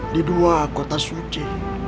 di dua kota suci